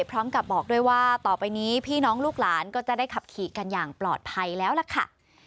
พร้อมกับบอกด้วยว่าต่อไปนี้พี่น้องลูกหลานก็จะได้ขับขี่กันอย่างปลอดภัยแล้วล่ะค่ะ